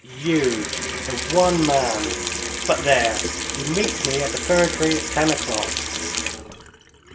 You, the one man but, there! You meet me at the fir tree at ten o'clock.'